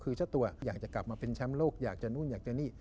คือเจ้าตัวอยากจะกลับมาเป็นแชมป์โลกอยากจะนู่นอยากจะนี่